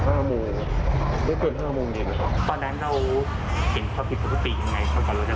ชาวบ้านที่อยู่ฝั่งตรงข้ามเขาก็บอกว่าที่นี่มีปัญหา